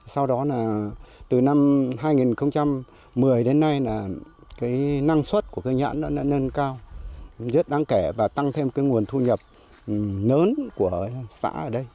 sau đó từ năm hai nghìn một mươi đến nay năng suất của nhãn đã nâng cao rất đáng kể và tăng thêm nguồn thu nhập lớn của xã ở đây